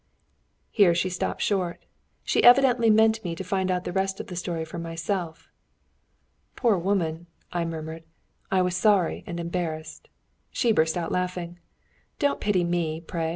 '" Here she stopped short. She evidently meant me to find out the rest of the story for myself. "Poor woman!" I murmured. I was sorry and embarrassed. She burst out laughing. "Don't pity me, pray!